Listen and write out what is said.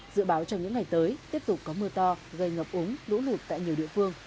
dự báo trong những ngày tới tiếp tục có mưa to gây ngập úng lũ lụt tại nhiều địa phương